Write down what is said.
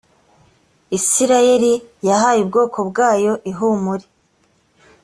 isirayeli yahaye ubwoko bwayo ihumure.